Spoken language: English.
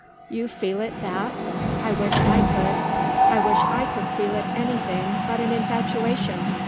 "You feel it that? I wish I could. I wish I could feel it anything but an infatuation.